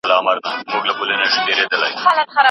انا په یخه کوټه کې د خدای ذکر کاوه.